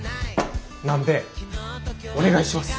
なんでお願いします！